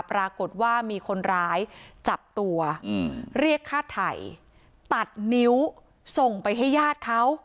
ปรากฏว่ามีคนร้ายจับตัวเรียกฆ่าไถ่ตัดนิ้วส่งไปให้ญาติเขา